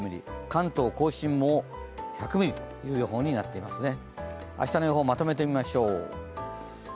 関東甲信も１００ミリという予報になっていますね。